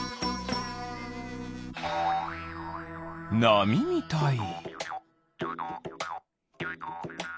なみみたい？